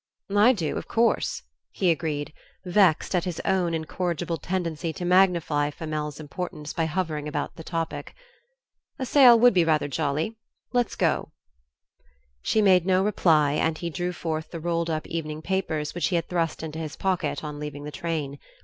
"I do, of course," he agreed, vexed at his own incorrigible tendency to magnify Flamel's importance by hovering about the topic. "A sail would be rather jolly; let's go." She made no reply and he drew forth the rolled up evening papers which he had thrust into his pocket on leaving the train.